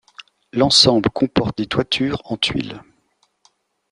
L'ensemble comporte des toitures en tuiles.